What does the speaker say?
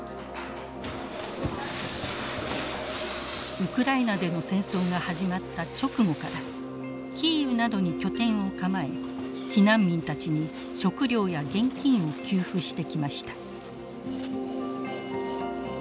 ウクライナでの戦争が始まった直後からキーウなどに拠点を構え避難民たちに食料や現金を給付してきました。